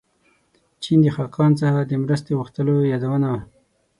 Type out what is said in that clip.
چین د خاقان څخه د مرستې غوښتلو یادونه.